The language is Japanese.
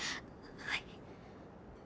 はい。